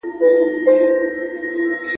څپه څپه را ځه توپانه پر ما ښه لګیږي `